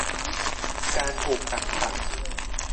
การถูกกักขัง